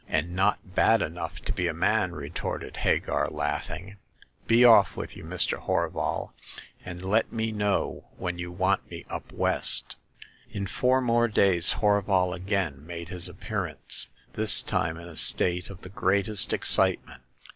" And not bad enough to be a man," retorted Hagar, laughing. " Be off with you, Mr. Horval, and let me know when you want me up West." In four more days Horval again made his appearance, this time in a state of the greatest excitement.